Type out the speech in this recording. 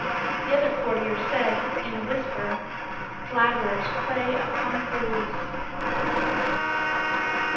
The other courtiers said, in a whisper, "Flatterers prey upon fools."